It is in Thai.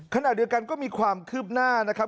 ขณะเดียวกันก็มีความคืบหน้านะครับ